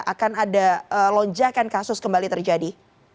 akan ada lonjakan kasus kembali terjadi